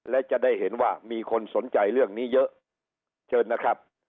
และจะได้เห็นว่ามีคนสนใจเรื่องนี้เยอะเชิญนะครับ